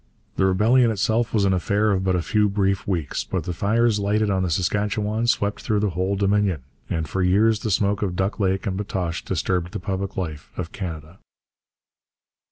The rebellion itself was an affair of but a few brief weeks, but the fires lighted on the Saskatchewan swept through the whole Dominion, and for years the smoke of Duck Lake and Batoche disturbed the public life of Canada.